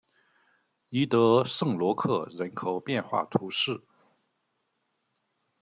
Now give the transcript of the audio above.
伊德圣罗克人口变化图示